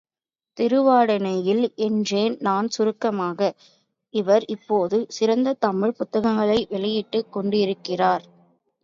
திருவாடானையில் என்றேன் நான் சுருக்கமாக, இவர் இப்போது சிறந்த தமிழ்ப் புத்தகங்கள் வெளியிட்டுக் கொண்டிருக்கிறார்.